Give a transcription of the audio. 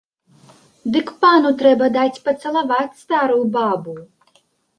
Дык пану трэба даць пацалаваць старую бабу.